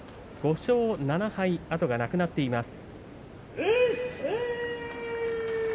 ５勝７敗、後がなくなっています。